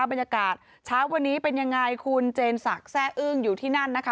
บรรยากาศเช้าวันนี้เป็นยังไงคุณเจนศักดิ์แซ่อึ้งอยู่ที่นั่นนะคะ